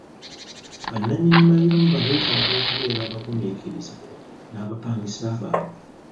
Bannannyini mayumba beetaaga okubeera abagumiikiriza n'abapangisa baabwe.